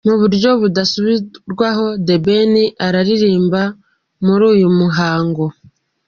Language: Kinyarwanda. Mu buryo budasubirwaho, The Ben azaririmba muri uyu muhango.